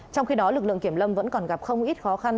trong khi đó lực lượng kiểm lâm vẫn còn gặp không ít khó khăn